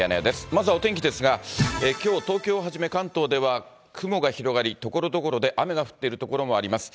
まずはお天気ですが、きょう、東京をはじめ関東では雲が広がり、ところどころで雨が降っている所もあります。